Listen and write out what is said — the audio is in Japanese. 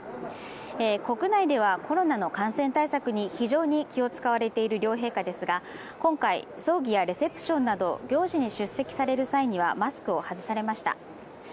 国内ではコロナの感染対策に非常に気を遣われている両陛下ですが今回、葬儀やレセプションなど行事に出席される際にはマスクを外されました。